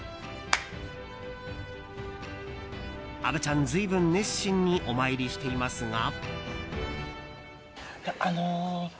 虻ちゃん、ずいぶん熱心にお参りしていますが。